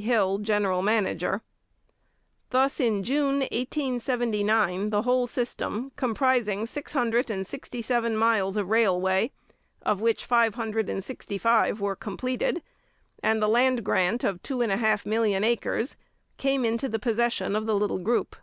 Hill general manager. Thus in June 1879 the whole system, comprising six hundred and sixty seven miles of railway, of which five hundred and sixty five were completed, and the land grant of two and a half million acres, came into the possession of the little group.